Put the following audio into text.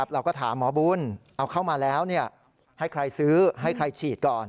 เราก็ถามหมอบุญเอาเข้ามาแล้วให้ใครซื้อให้ใครฉีดก่อน